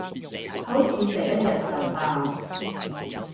好似第一日就爆